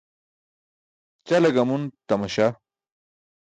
Ćale gamun tamaśah.